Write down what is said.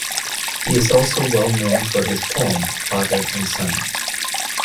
He is also well known for his poem, Father and Son.